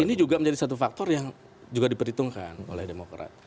ini juga menjadi satu faktor yang juga diperhitungkan oleh demokrat